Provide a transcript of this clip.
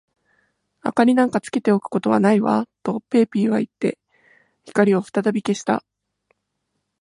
「明りなんかつけておくことはないわ」と、ペーピーはいって、光をふたたび消した。